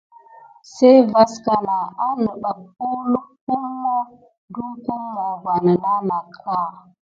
Sey vaskana anebat uwluk pummo dupummo va mena naka.